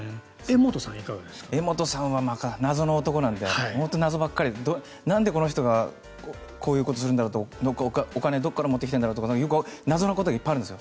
柄本さんは謎の男なので本当に謎ばっかりでなんで、この人がこういうことするんだろうお金、どこから持ってきてるんだろうとか謎のことがいっぱいあるんですよ。